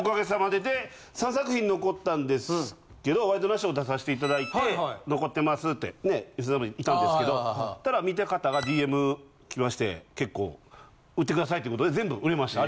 で３作品残ったんですけど『ワイドナショー』出させていただいて残ってますってねえ良純さんもいたんですけどそしたら見た方がＤＭきまして結構売ってくださいってことで全部売れました。